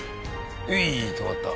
うい止まった。